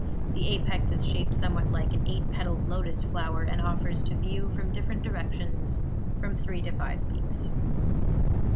The apex is shaped somewhat like an eight petaled lotus flower, and offers to view from different directions from three to five peaks.